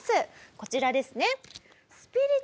こちらですね。